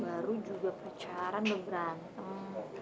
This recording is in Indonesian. baru juga pacaran berantem